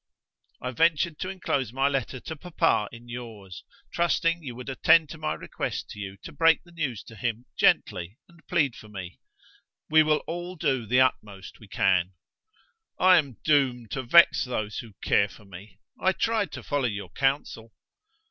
"I ventured to enclose my letter to papa in yours, trusting you would attend to my request to you to break the news to him gently and plead for me." "We will all do the utmost we can." "I am doomed to vex those who care for me. I tried to follow your counsel."